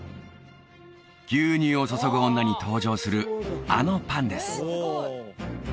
「牛乳を注ぐ女」に登場するあのパンです